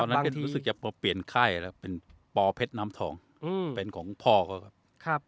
รู้สึกจะเปลี่ยนค่ายแล้วเป็นปอเพชรน้ำทองเป็นของพ่อเขาครับ